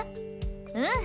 うん。